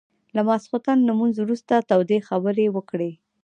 له ماخستن لمونځ وروسته تودې خبرې وکړې.